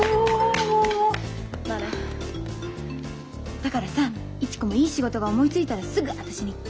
だからさ市子もいい仕事が思いついたらすぐ私に言って。